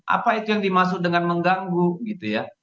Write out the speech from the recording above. apa itu yang dimaksud dengan mengganggu gitu ya